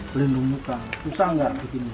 pelindung muka susah nggak begini